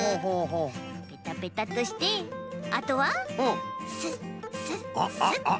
ペタペタとしてあとはスッスッスッ。